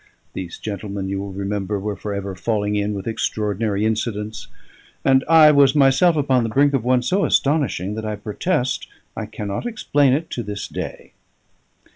These gentlemen, you will remember, were for ever falling in with extraordinary incidents; and I was myself upon the brink of one so astonishing that I protest I cannot explain it to this day.